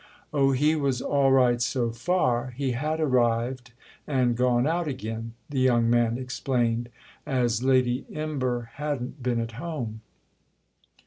"Oh, he was all right so far: he had arrived and gone out again," the young man explained, "as Lady Imber hadn't been at home."